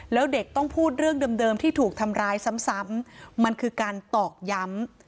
แล้วเด็กต้องพูดเรื่องเดิมที่ถูกทำร้ายซ้ำมันคือการตอกย้ำ